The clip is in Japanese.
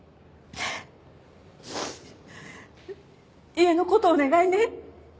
家の事お願いね。